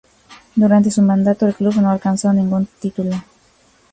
Durante su mandato, el club no alcanzó ningún título.